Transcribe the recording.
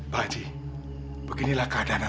pak ji beginilah keadaan anak saya